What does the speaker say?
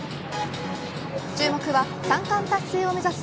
注目は三冠達成を目指す